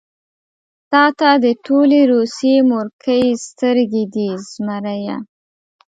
تاته د ټولې روسيې مورکۍ سترګې دي زمريه.